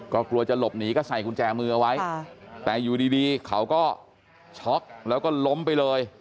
ก็กลัวจะหลบหนีก็ใส่กุญแจมือเอาไว้แต่อยู่ดีเขาก็ช็อกแล้วก็ล้มไปเลย